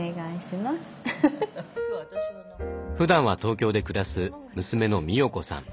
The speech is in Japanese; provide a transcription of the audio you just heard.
ふだんは東京で暮らす娘のみおこさん。